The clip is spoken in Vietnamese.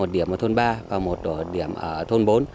một điểm ở thôn ba và một điểm ở thôn bốn